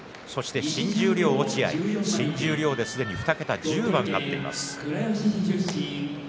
新十両の落合新十両で早くも２桁１０番勝っています。